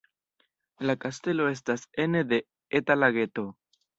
La kastelo estas ene de eta lageto.